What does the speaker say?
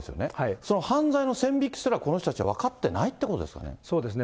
その犯罪の線引きすら、この人たちは分かってないってことですよね。